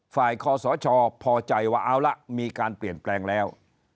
คอสชพอใจว่าเอาละมีการเปลี่ยนแปลงแล้ว